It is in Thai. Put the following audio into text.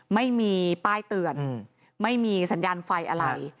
ไม่มีป้ายเตือนไม่มีสัญญาณไฟอะไร